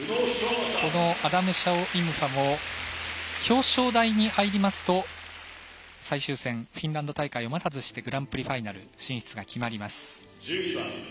アダム・シャオイムファも表彰台に入りますと最終戦のフィンランド大会を待たずしてグランプリファイナル進出が決まります。